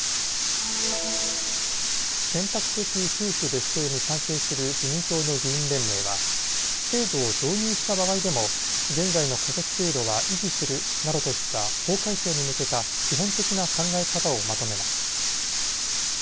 選択的夫婦別姓に賛成する自民党の議員連盟は制度を導入した場合でも現在の戸籍制度は維持するなどとした法改正に向けた基本的な考え方をまとめました。